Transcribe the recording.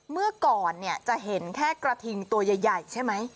เมื่อก่อนเนี่ยจะเห็นแค่กระทิงตัวใหญ่ใช่ไหม